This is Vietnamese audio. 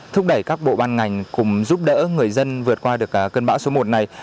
thúc đẩy các bộ ban ngành cùng giúp đỡ người dân vượt qua được cơn bão số một này